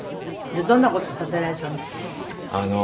どんな事させられたの？